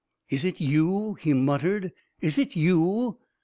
"Is it you?" he muttered. "Is it you?